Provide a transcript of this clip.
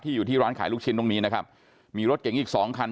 อยู่ที่ร้านขายลูกชิ้นตรงนี้นะครับมีรถเก๋งอีกสองคัน